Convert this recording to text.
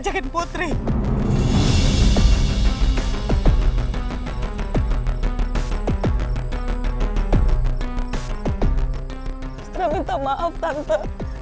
cintra minta maaf tante